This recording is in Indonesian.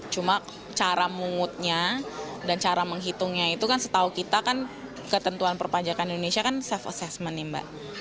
cuma cara mungutnya dan cara menghitungnya itu kan setahu kita kan ketentuan perpajakan indonesia kan self assessment nih mbak